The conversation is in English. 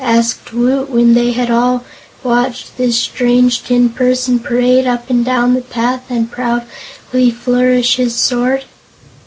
asked Woot, when they had all watched this strange tin person parade up and down the path and proudly flourish his sword.